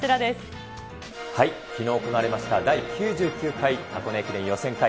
きのう行われました第９９回箱根駅伝予選会。